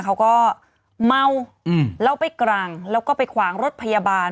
เขาก็เมาแล้วไปกลางแล้วก็ไปขวางรถพยาบาล